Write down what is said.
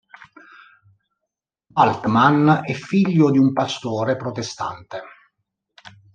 Bultmann è figlio di un pastore protestante.